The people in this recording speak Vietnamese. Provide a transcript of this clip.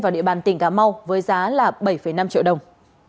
vào địa bàn tỉnh cà mau với giá là bảy năm triệu đồng